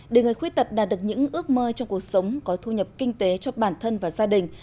để người khuyết tật đạt được những ước mơ trong cuộc sống có thu nhập kinh tế cho bản thân và gia đình